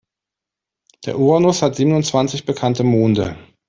Der Uranus hat siebenundzwanzig bekannte Monde.